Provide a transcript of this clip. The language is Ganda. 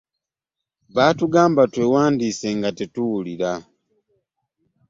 Baatugamba twewandiise nga tetuwulira.